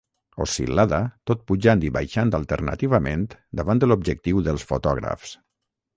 Oscil·lada, tot pujant i baixant alternativament davant de l'objectiu dels fotògrafs.